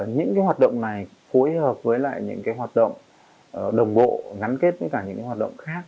những hoạt động này phối hợp với những hoạt động đồng bộ ngắn kết với những hoạt động khác